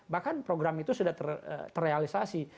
bahkan program itu sudah terrealisasi